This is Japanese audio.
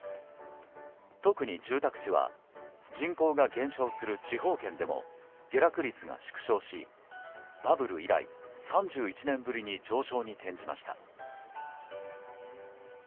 特に住宅地は人口が減少する地方圏でも下落率が縮小し、バブル以来３１年ぶりに上昇に転じました。